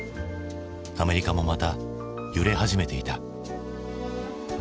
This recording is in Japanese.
アメリカもまた揺れ始めていた。